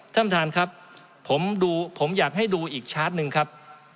ท่านประธานครับผมดูผมอยากให้ดูอีกชาร์จหนึ่งครับ